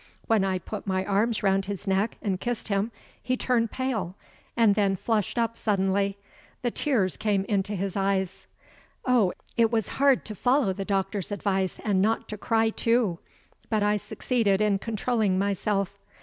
When I put my arms round his neck, and kissed him, he turned pale, and then flushed up suddenly: the tears came into his eyes. Oh, it was hard to follow the doctor's advice, and not to cry, too; but I succeeded in controlling myself.